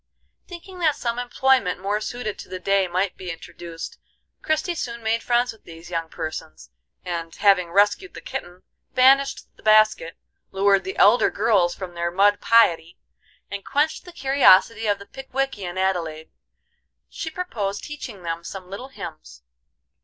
Thinking that some employment more suited to the day might be introduced, Christie soon made friends with these young persons, and, having rescued the kitten, banished the basket, lured the elder girls from their mud piety, and quenched the curiosity of the Pickwickian Adelaide, she proposed teaching them some little hymns.